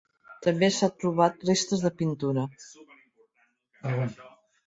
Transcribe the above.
També s'han trobat restes de pintura.